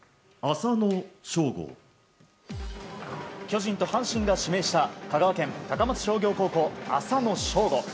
巨人と阪神が指名した香川県高松商業高校、浅野翔吾。